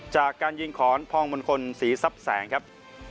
จากการยิงขอนพ่องบนคนสีซับแสงครับ